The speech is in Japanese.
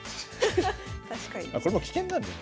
これも危険なんだよ